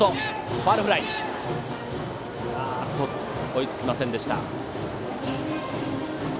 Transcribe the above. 追いつけませんでした。